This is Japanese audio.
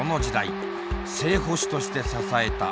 正捕手として支えた會澤。